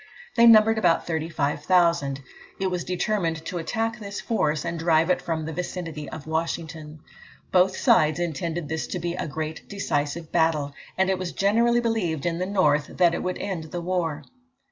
They numbered about 35,000. It was determined to attack this force, and drive it from the vicinity of Washington. Both sides intended this to be a great decisive battle, and it was generally believed in the North that it would end the war.